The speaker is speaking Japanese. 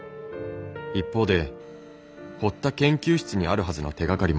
一方で堀田研究室にあるはずの手がかりも。